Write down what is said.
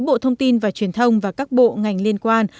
bộ thông tin và truyền thông và các bộ ngành liên quan